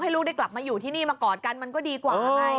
ลูกได้กลับมาอยู่ที่นี่มากอดกันมันก็ดีกว่าไง